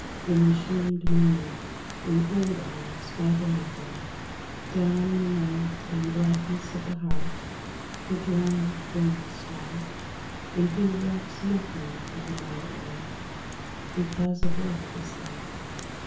In the shamed moment, when Old eyes bow down again? _Down in the night and blackness of the heart, The drowned things start. And he recks nothing of the meadow air, Because of what is There.